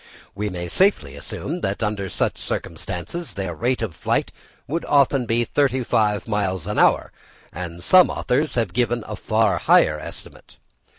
We may safely assume that under such circumstances their rate of flight would often be thirty five miles an hour; and some authors have given a far higher estimate.